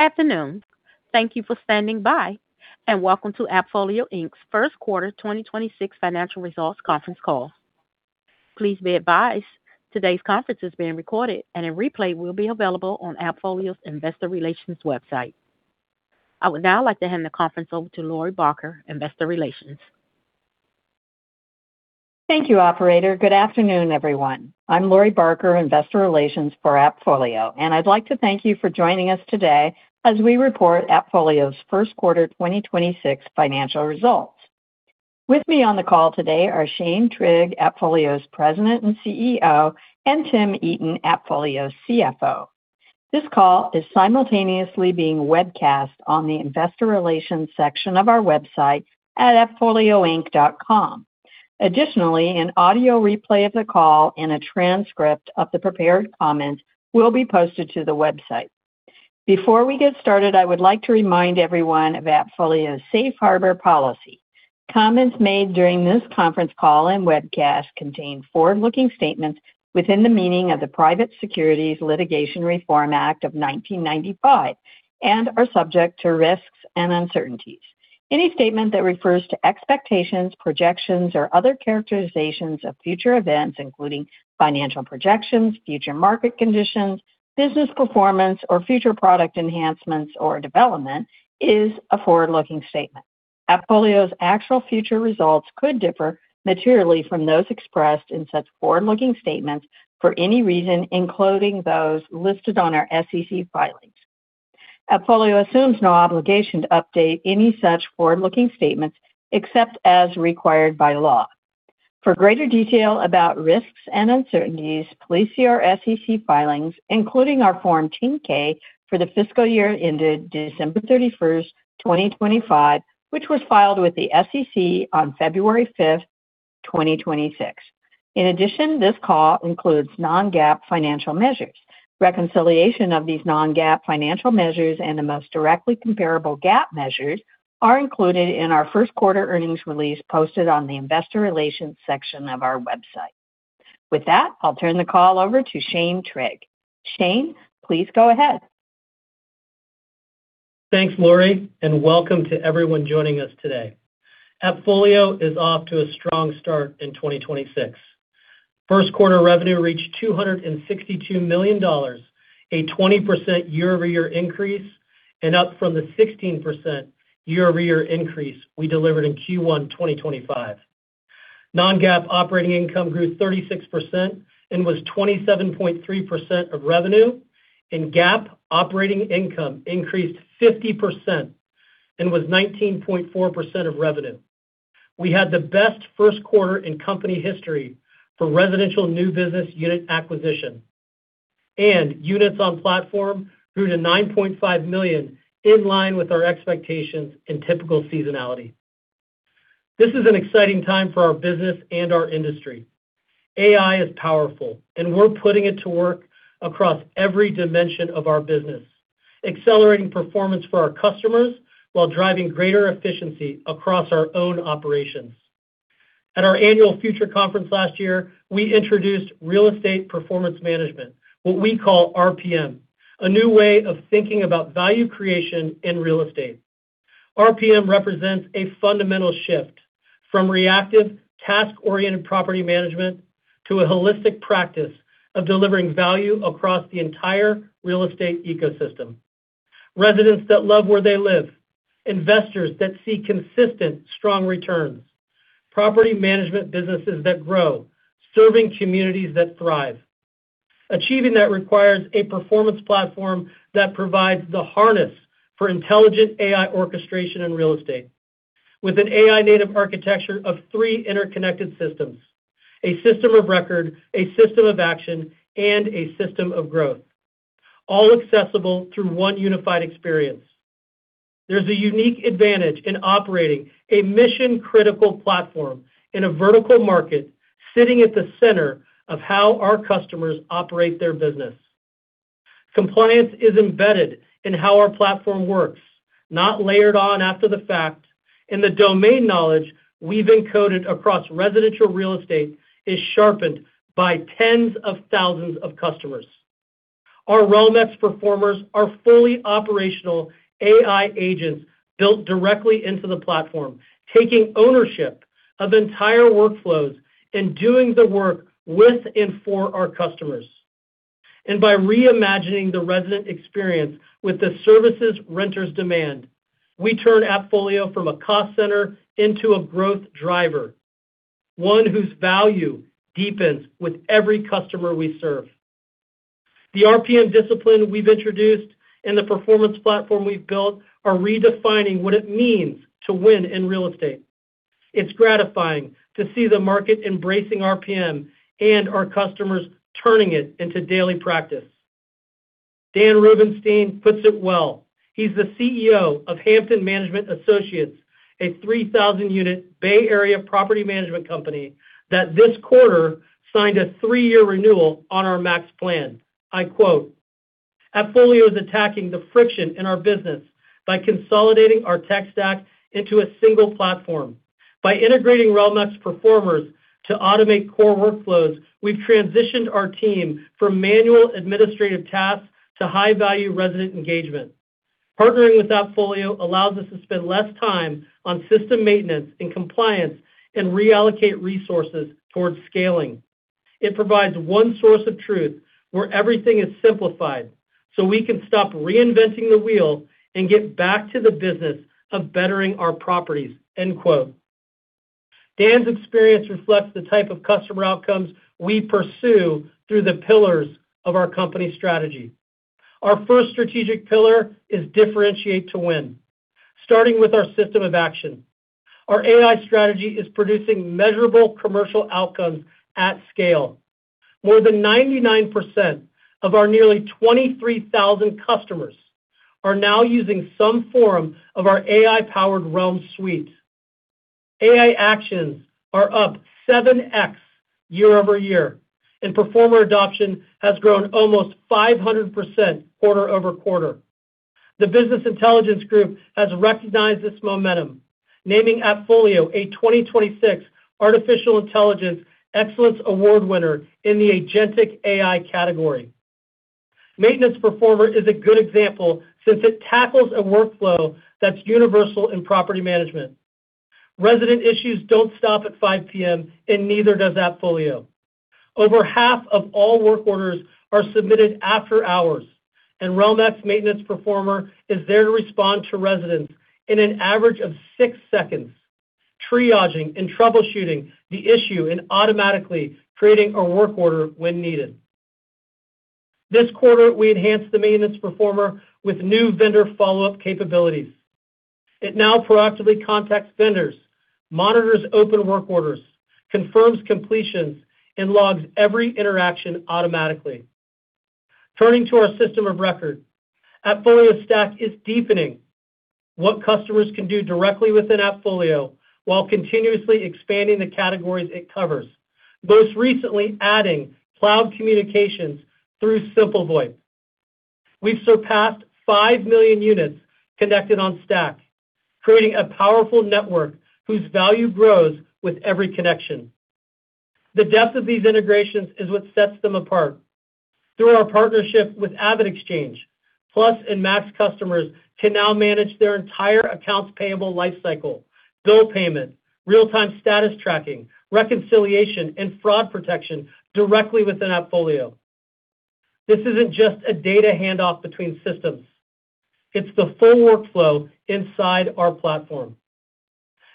Afternoon. Thank you for standing by, and welcome to AppFolio, Inc.'s first quarter 2026 financial results conference call. Please be advised today's conference is being recorded and a replay will be available on AppFolio's investor relations website. I would now like to hand the conference over to Lori Barker, Investor Relations. Thank you, operator. Good afternoon, everyone. I'm Lori Barker, Investor Relations for AppFolio, and I'd like to thank you for joining us today as we report AppFolio's first quarter 2026 financial results. With me on the call today are Shane Trigg, AppFolio's President and CEO, and Tim Eaton, AppFolio's CFO. This call is simultaneously being webcast on the Investor Relations section of our website at appfolioinc.com. Additionally, an audio replay of the call and a transcript of the prepared comments will be posted to the website. Before we get started, I would like to remind everyone of AppFolio's safe harbor policy. Comments made during this conference call and webcast contain forward-looking statements within the meaning of the Private Securities Litigation Reform Act of 1995 and are subject to risks and uncertainties. Any statement that refers to expectations, projections, or other characterizations of future events, including financial projections, future market conditions, business performance, or future product enhancements or development, is a forward-looking statement. AppFolio's actual future results could differ materially from those expressed in such forward-looking statements for any reason, including those listed on our SEC filings. AppFolio assumes no obligation to update any such forward-looking statements except as required by law. For greater detail about risks and uncertainties, please see our SEC filings, including our Form 10-K for the fiscal year ended December 31st, 2025, which was filed with the SEC on February 5th, 2026. In addition, this call includes non-GAAP financial measures. Reconciliation of these non-GAAP financial measures and the most directly comparable GAAP measures are included in our first quarter earnings release posted on the investor relations section of our website. With that, I'll turn the call over to Shane Trigg. Shane, please go ahead. Thanks, Lori, and welcome to everyone joining us today. AppFolio is off to a strong start in 2026. First quarter revenue reached $262 million, a 20% year-over-year increase, and up from the 16% year-over-year increase we delivered in Q1 2025. non-GAAP operating income grew 36% and was 27.3% of revenue, and GAAP operating income increased 50% and was 19.4% of revenue. We had the best first quarter in company history for residential new business unit acquisition. Units on platform grew to 9.5 million, in line with our expectations and typical seasonality. This is an exciting time for our business and our industry. AI is powerful, and we're putting it to work across every dimension of our business, accelerating performance for our customers while driving greater efficiency across our own operations. At our annual Future Conference last year, we introduced Real Estate Performance Management, what we call RPM, a new way of thinking about value creation in real estate. RPM represents a fundamental shift from reactive, task-oriented property management to a holistic practice of delivering value across the entire real estate ecosystem. Residents that love where they live, investors that see consistent strong returns, property management businesses that grow, serving communities that thrive. Achieving that requires a performance platform that provides the harness for intelligent AI orchestration in real estate. With an AI-native architecture of three interconnected systems, a system of record, a system of action, and a system of growth, all accessible through one unified experience. There's a unique advantage in operating a mission-critical platform in a vertical market, sitting at the center of how our customers operate their business. Compliance is embedded in how our platform works, not layered on after the fact, and the domain knowledge we've encoded across residential real estate is sharpened by tens of thousands of customers. Our Realm-X Performers are fully operational AI agents built directly into the platform, taking ownership of entire workflows and doing the work with and for our customers. By reimagining the resident experience with the services renters demand, we turn AppFolio from a cost center into a growth driver, one whose value deepens with every customer we serve. The RPM discipline we've introduced and the performance platform we've built are redefining what it means to win in real estate. It's gratifying to see the market embracing RPM and our customers turning it into daily practice. Dan Rubenstein puts it well. He's the CEO of Hampden Management Associates, a 3,000-unit Bay Area property management company that this quarter signed a three-year renewal on our Max plan. I quote, "AppFolio is attacking the friction in our business by consolidating our tech stack into a single platform. By integrating Realm-X Performers to automate core workflows, we've transitioned our team from manual administrative tasks to high-value resident engagement. Partnering with AppFolio allows us to spend less time on system maintenance and compliance, and reallocate resources towards scaling. It provides one source of truth where everything is simplified, so we can stop reinventing the wheel and get back to the business of bettering our properties." Dan's experience reflects the type of customer outcomes we pursue through the pillars of our company strategy. Our first strategic pillar is differentiate to win, starting with our system of action. Our AI strategy is producing measurable commercial outcomes at scale. More than 99% of our nearly 23,000 customers are now using some form of our AI-powered Realm suite. AI actions are up 7x year-over-year, and Performer adoption has grown almost 500% quarter-over-quarter. The Business Intelligence Group has recognized this momentum, naming AppFolio a 2026 Artificial Intelligence Excellence Award winner in the Agentic AI category. Maintenance Performer is a good example since it tackles a workflow that's universal in property management. Resident issues don't stop at 5:00 P.M., and neither does AppFolio. Over half of all work orders are submitted after hours, and Realm-X Maintenance Performer is there to respond to residents in an average of six seconds, triaging and troubleshooting the issue, and automatically creating a work order when needed. This quarter, we enhanced the Maintenance Performer with new vendor follow-up capabilities. It now proactively contacts vendors, monitors open work orders, confirms completions, and logs every interaction automatically. Turning to our system of record, AppFolio's Stack is deepening what customers can do directly within AppFolio while continuously expanding the categories it covers, most recently adding cloud communications through SimpleVoIP. We've surpassed 5 million units connected on Stack, creating a powerful network whose value grows with every connection. The depth of these integrations is what sets them apart. Through our partnership with AvidXchange, Plus and Max customers can now manage their entire accounts payable life cycle, bill payment, real-time status tracking, reconciliation, and fraud protection directly within AppFolio. This isn't just a data handoff between systems. It's the full workflow inside our platform.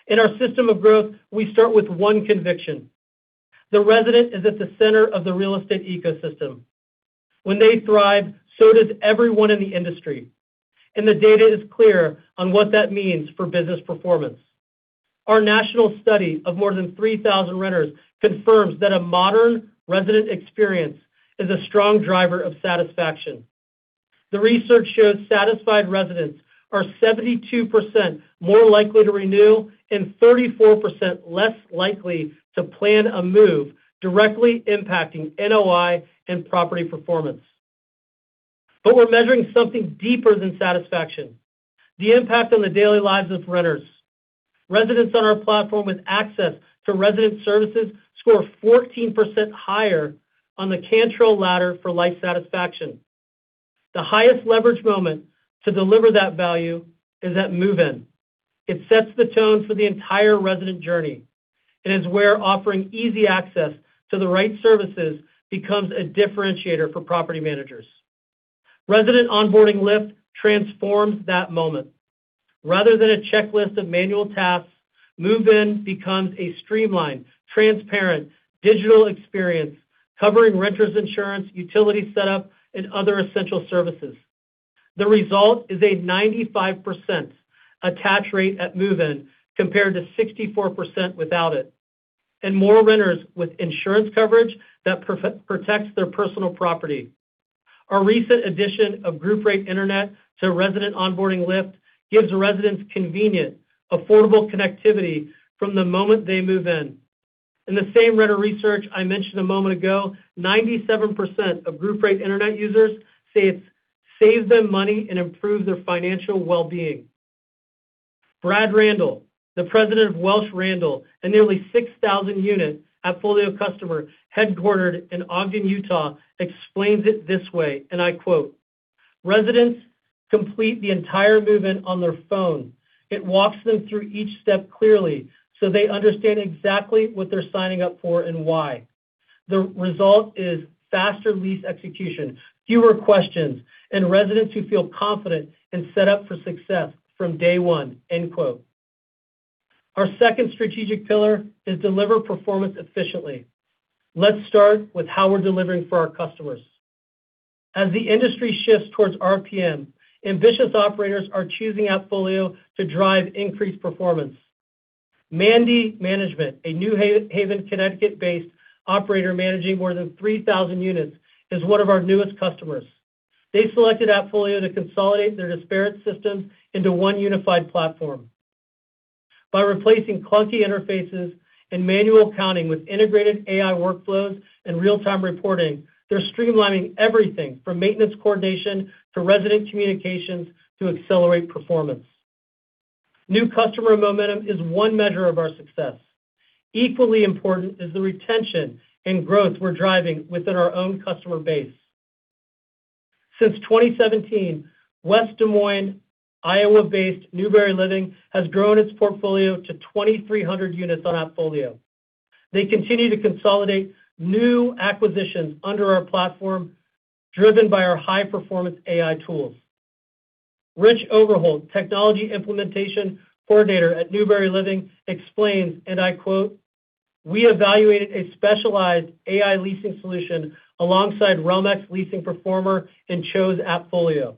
In our system of growth, we start with one conviction. The resident is at the center of the real estate ecosystem. When they thrive, so does everyone in the industry, and the data is clear on what that means for business performance. Our national study of more than 3,000 renters confirms that a modern resident experience is a strong driver of satisfaction. The research shows satisfied residents are 72% more likely to renew and 34% less likely to plan a move, directly impacting NOI and property performance. We're measuring something deeper than satisfaction, the impact on the daily lives of renters. Residents on our platform with access to resident services score 14% higher on the Cantril Ladder for Life Satisfaction. The highest leverage moment to deliver that value is at move-in. It sets the tone for the entire resident journey. It is where offering easy access to the right services becomes a differentiator for property managers. Resident Onboarding Lift transforms that moment. Rather than a checklist of manual tasks, move-in becomes a streamlined, transparent, digital experience covering renters insurance, utility setup, and other essential services. The result is a 95% attach rate at move-in compared to 64% without it, and more renters with insurance coverage that protects their personal property. Our recent addition of group rate internet to Resident Onboarding Lift gives residents convenient, affordable connectivity from the moment they move in. In the same renter research I mentioned a moment ago, 97% of group rate internet users say it saves them money and improves their financial well-being. Brad Randall, President of Welch Randall, a nearly 6,000-unit AppFolio customer headquartered in Ogden, Utah, explains it this way, and I quote, "Residents complete the entire move-in on their phone. It walks them through each step clearly so they understand exactly what they're signing up for and why. The result is faster lease execution, fewer questions, and residents who feel confident and set up for success from day one. Our second strategic pillar is to deliver performance efficiently. Let's start with how we're delivering for our customers. As the industry shifts towards RPM, ambitious operators are choosing AppFolio to drive increased performance. Mandy Management, a New Haven, Connecticut-based operator managing more than 3,000 units, is one of our newest customers. They selected AppFolio to consolidate their disparate systems into one unified platform. By replacing clunky interfaces and manual accounting with integrated AI workflows and real-time reporting, they're streamlining everything from maintenance coordination to resident communications to accelerate performance. New customer momentum is one measure of our success. Equally important is the retention and growth we're driving within our own customer base. Since 2017, West Des Moines, Iowa-based Newbury Living has grown its portfolio to 2,300 units on AppFolio. They continue to consolidate new acquisitions under our platform, driven by our high-performance AI tools. Rich Overholt, Technology Implementation Coordinator at Newbury Living, explains, and I quote, "We evaluated a specialized AI leasing solution alongside Realm-X Leasing Performer and chose AppFolio.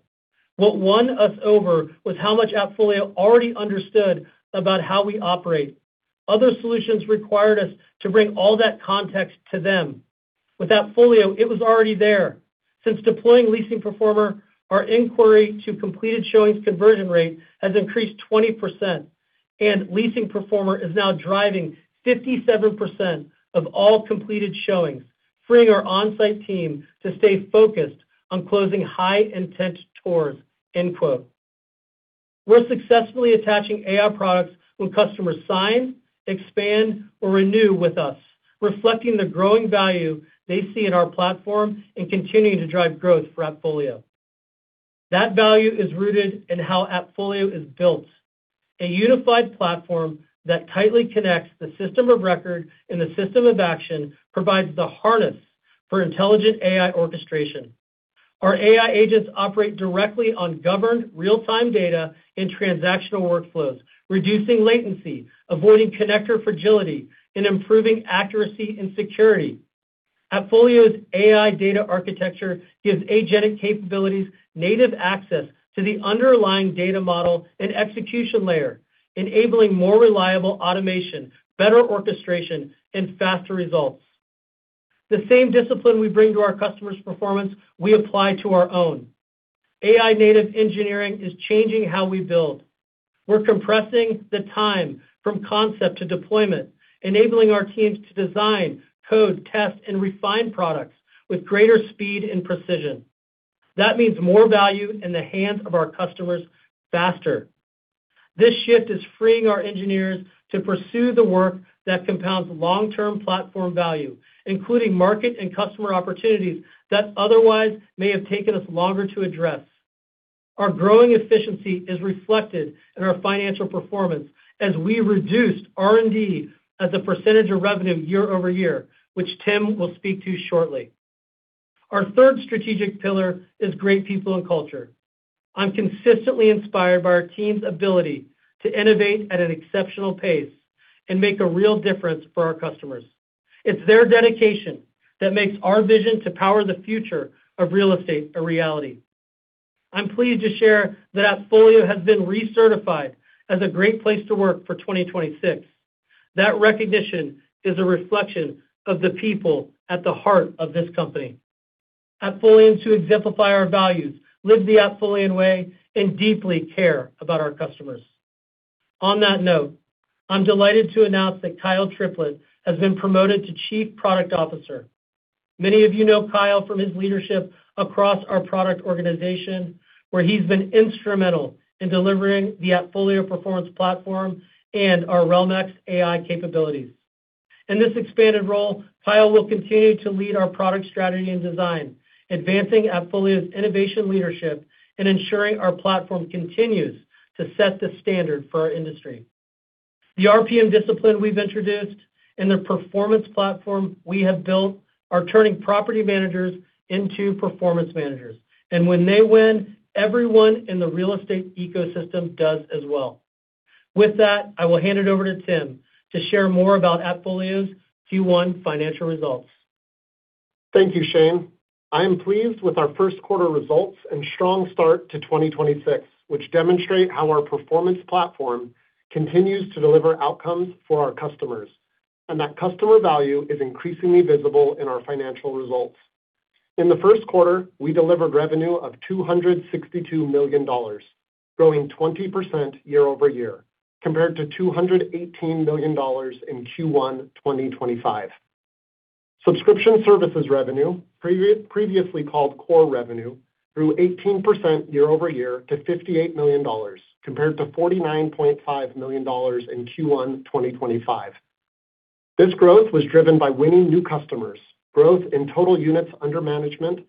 What won us over was how much AppFolio already understood about how we operate. Other solutions required us to bring all that context to them. With AppFolio, it was already there. Since deploying Leasing Performer, our inquiry to completed showings conversion rate has increased 20%, and Leasing Performer is now driving 57% of all completed showings, freeing our on-site team to stay focused on closing high-intent tours." We're successfully attaching AI products when customers sign, expand, or renew with us, reflecting the growing value they see in our platform and continuing to drive growth for AppFolio. That value is rooted in how AppFolio is built. A unified platform that tightly connects the system of record and the system of action provides the harness for intelligent AI orchestration. Our AI agents operate directly on governed real-time data in transactional workflows, reducing latency, avoiding connector fragility, and improving accuracy and security. AppFolio's AI data architecture gives agentic capabilities native access to the underlying data model and execution layer, enabling more reliable automation, better orchestration, and faster results. The same discipline we bring to our customers' performance, we apply to our own. AI-native engineering is changing how we build. We're compressing the time from concept to deployment, enabling our teams to design, code, test, and refine products with greater speed and precision. That means more value in the hands of our customers faster. This shift is freeing our engineers to pursue the work that compounds long-term platform value, including market and customer opportunities that otherwise may have taken us longer to address. Our growing efficiency is reflected in our financial performance as we reduced R&D as a percentage of revenue year-over-year, which Tim will speak to shortly. Our third strategic pillar is great people and culture. I'm consistently inspired by our team's ability to innovate at an exceptional pace and make a real difference for our customers. It's their dedication that makes our vision to power the future of real estate a reality. I'm pleased to share that AppFolio has been recertified as a great place to work for 2026. That recognition is a reflection of the people at the heart of this company. AppFolians who exemplify our values, live the AppFolian way, and deeply care about our customers. On that note, I'm delighted to announce that Kyle Triplett has been promoted to Chief Product Officer. Many of you know Kyle from his leadership across our product organization, where he's been instrumental in delivering the AppFolio Performance Platform and our Realm-X AI capabilities. In this expanded role, Kyle will continue to lead our product strategy and design, advancing AppFolio's innovation leadership and ensuring our platform continues to set the standard for our industry. The RPM discipline we've introduced and the Performance Platform we have built are turning property managers into performance managers, and when they win, everyone in the real estate ecosystem does as well. With that, I will hand it over to Tim to share more about AppFolio's Q1 financial results. Thank you, Shane. I am pleased with our first quarter results and strong start to 2026, which demonstrate how our Performance Platform continues to deliver outcomes for our customers, and that customer value is increasingly visible in our financial results. In the first quarter, we delivered revenue of $262 million, growing 20% year-over-year compared to $218 million in Q1 2025. Subscription services revenue, previously called core revenue, grew 18% year-over-year to $58 million, compared to $49.5 million in Q1 2025. This growth was driven by winning new customers, growth in total units under management,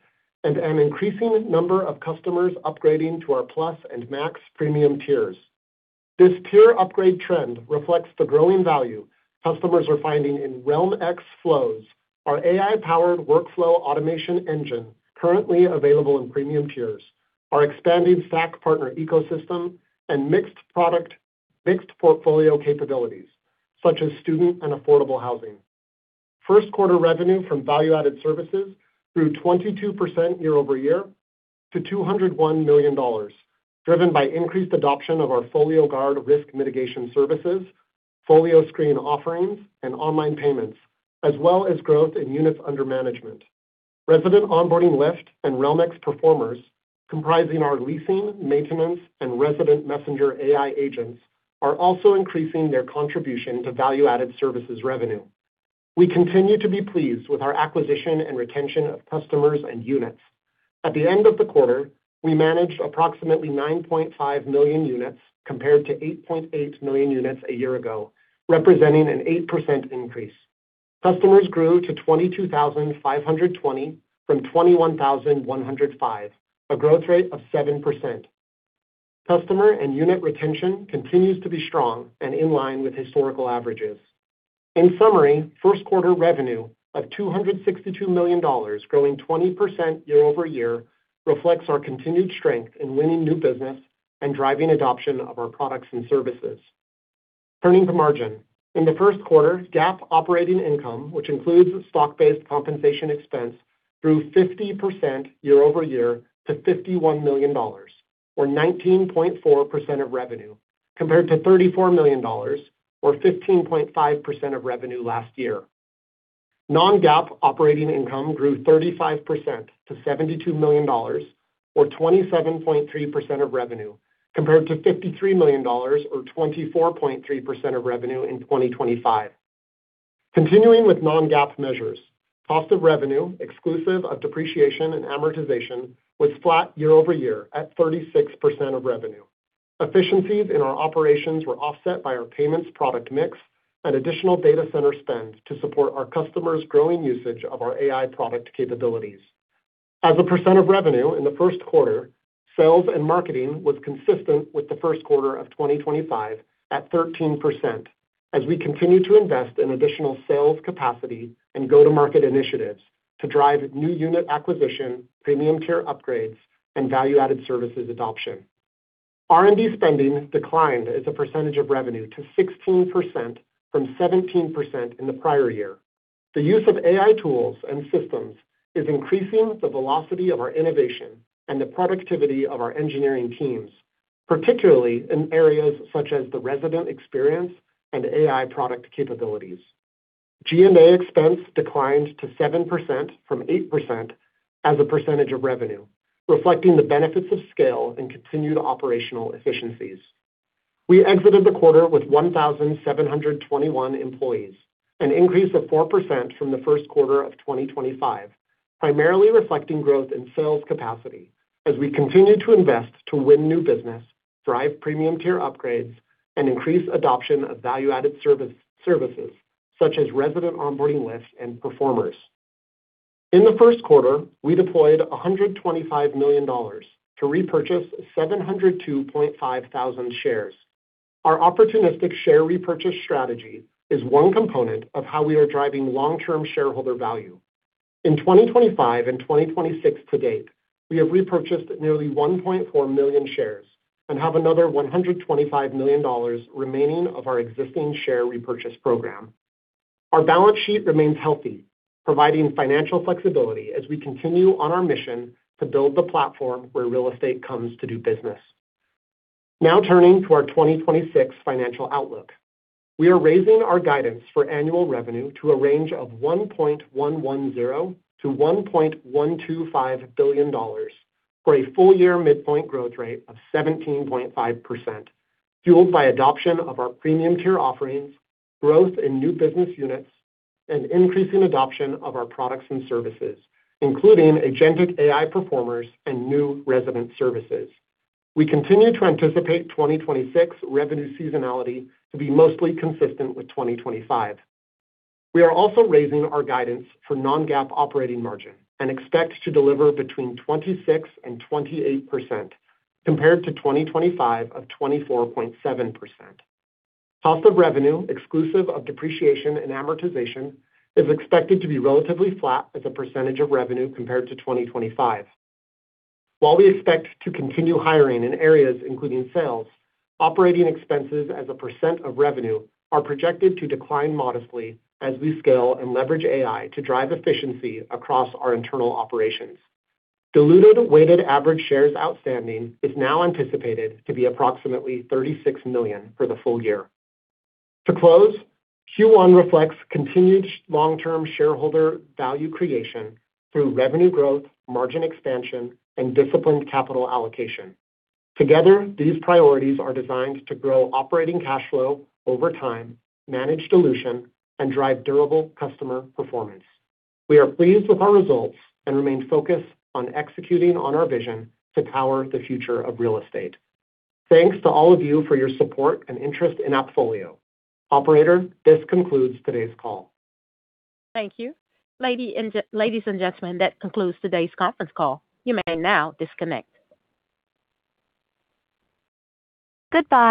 and an increasing number of customers upgrading to our Plus and Max premium tiers. This tier upgrade trend reflects the growing value customers are finding in Realm-X Flows, our AI-powered workflow automation engine, currently available in premium tiers, our expanding Stack partner ecosystem, and mixed portfolio capabilities, such as student and affordable housing. First quarter revenue from value-added services grew 22% year-over-year to $201 million, driven by increased adoption of our FolioGuard risk mitigation services, FolioScreen offerings, and online payments, as well as growth in units under management. Resident Onboarding Lift and Realm-X Performers, comprising our leasing, maintenance, and resident messenger AI agents, are also increasing their contribution to value-added services revenue. We continue to be pleased with our acquisition and retention of customers and units. At the end of the quarter, we managed approximately 9.5 million units compared to 8.8 million units a year ago, representing an 8% increase. Customers grew to 22,500 from 21,105, a growth rate of 7%. Customer and unit retention continues to be strong and in line with historical averages. In summary, first quarter revenue of $262 million growing 20% year-over-year reflects our continued strength in winning new business and driving adoption of our products and services. Turning to margin. In the first quarter, GAAP operating income, which includes stock-based compensation expense, grew 50% year-over-year to $51 million or 19.4% of revenue, compared to $34 million or 15.5% of revenue last year. Non-GAAP operating income grew 35% to $72 million, or 27.3% of revenue, compared to $53 million or 24.3% of revenue in 2025. Continuing with non-GAAP measures, cost of revenue, exclusive of depreciation and amortization, was flat year over year at 36% of revenue. Efficiencies in our operations were offset by our payments product mix and additional data center spend to support our customers' growing usage of our AI product capabilities. As a percent of revenue in the first quarter, sales and marketing was consistent with the first quarter of 2025 at 13%, as we continue to invest in additional sales capacity and go-to-market initiatives to drive new unit acquisition, premium care upgrades, and value-added services adoption. R&D spending declined as a percentage of revenue to 16% from 17% in the prior year. The use of AI tools and systems is increasing the velocity of our innovation and the productivity of our engineering teams, particularly in areas such as the resident experience and AI product capabilities. G&A expense declined to 7% from 8% as a percentage of revenue, reflecting the benefits of scale and continued operational efficiencies. We exited the quarter with 1,721 employees, an increase of 4% from the first quarter of 2025, primarily reflecting growth in sales capacity as we continue to invest to win new business, drive premium tier upgrades, and increase adoption of value-added services, such as Resident Onboarding Lift and Realm-X Performers. In the first quarter, we deployed $125 million to repurchase 702.5 thousand shares. Our opportunistic share repurchase strategy is one component of how we are driving long-term shareholder value. In 2025 and 2026 to date, we have repurchased nearly 1.4 million shares and have another $125 million remaining of our existing share repurchase program. Our balance sheet remains healthy, providing financial flexibility as we continue on our mission to build the platform where real estate comes to do business. Now turning to our 2026 financial outlook. We are raising our guidance for annual revenue to a range of $1.110 billion-$1.125 billion for a full year midpoint growth rate of 17.5%, fueled by adoption of our premium care offerings, growth in new business units, and increasing adoption of our products and services, including agentic AI performers and new resident services. We continue to anticipate 2026 revenue seasonality to be mostly consistent with 2025. We are also raising our guidance for non-GAAP operating margin and expect to deliver between 26%-28% compared to 2025 of 24.7%. Cost of revenue, exclusive of depreciation and amortization, is expected to be relatively flat as a percentage of revenue compared to 2025. While we expect to continue hiring in areas including sales, operating expenses as a percent of revenue are projected to decline modestly as we scale and leverage AI to drive efficiency across our internal operations. Diluted weighted average shares outstanding is now anticipated to be approximately 36 million for the full year. To close, Q1 reflects continued long-term shareholder value creation through revenue growth, margin expansion, and disciplined capital allocation. Together, these priorities are designed to grow operating cash flow over time, manage dilution, and drive durable customer performance. We are pleased with our results and remain focused on executing on our vision to power the future of real estate. Thanks to all of you for your support and interest in AppFolio. Operator, this concludes today's call. Thank you. Ladies and gentlemen, that concludes today's conference call. You may now disconnect. Goodbye.